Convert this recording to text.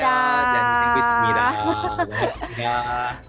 dan ingin berkata